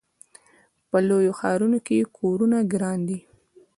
په لویو ښارونو کې کورونه ګران دي.